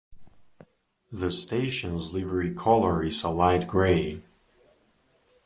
The station's livery colour is a light grey.